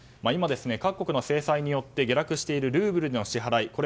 今、各国の制裁によって下落しているルーブルでの支払い。